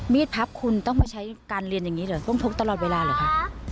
พับคุณต้องมาใช้การเรียนอย่างนี้เหรอต้องพกตลอดเวลาเหรอคะ